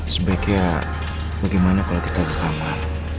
sebaiknya bagaimana kalau kita berkamar